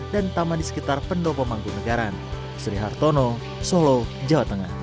dan taman di sekitar pendopo manggung negara